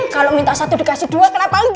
kalau minta satu dikasih dua kenapa enggak